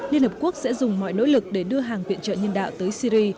liên hợp quốc sẽ dùng mọi nỗ lực để đưa hàng viện trợ nhân đạo tới syri